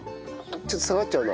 ちょっと下がっちゃうな。